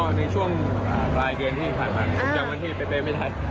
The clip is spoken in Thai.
ก็ในช่วงปลายเกินที่ผ่านมาคุณพิธาประจำวันที่ไปเต็มไม่ทัด